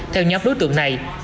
theo nhóm đối tượng này